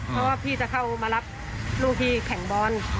เพราะว่าพี่จะเข้ามารับลูกที่แข่งบอล